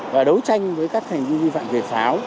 và đấu tranh với các thành viên vi phạm về pháo